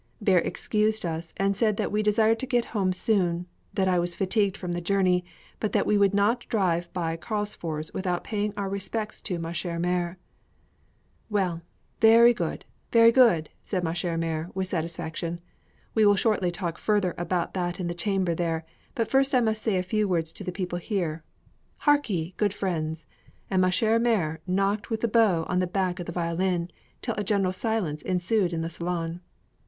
Bear excused us, said that we desired to get home soon, that I was fatigued from the journey, but that we would not drive by Carlsfors without paying our respects to ma chère mère. "Well, very good, well, very good!" said ma chère mère, with satisfaction; "we will shortly talk further about that in the chamber there; but first I must say a few words to the people here. Hark ye, good friends!" and ma chère mère knocked with the bow on the back of the violin, till a general silence ensued in the salon.